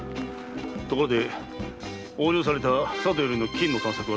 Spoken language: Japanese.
ところで横領された佐渡よりの金の探索はどうなっておる？